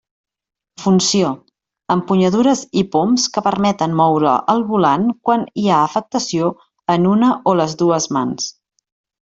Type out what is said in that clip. Funció: empunyadures i poms que permeten moure el volant quan hi ha afectació en una o les dues mans.